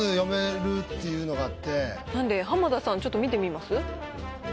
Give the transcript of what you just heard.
なんで浜田さんちょっと見てみます？